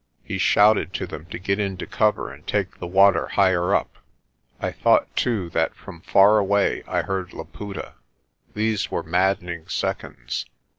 He shouted to them to get into cover and take the water higher up. I thought, too, that from far away I heard Laputa. These were maddening seconds.